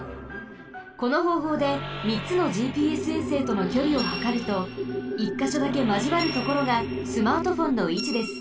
このほうほうでみっつのＧＰＳ衛星とのきょりをはかると１かしょだけまじわるところがスマートフォンのいちです。